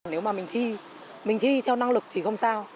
nếu mà mình thi mình thi theo năng lực thì không sao